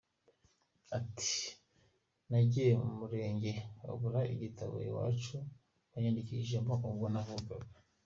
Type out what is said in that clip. Ati «Nagiye ku Murenge babura igitabo iwacu banyandikishijemo ubwo navukaga.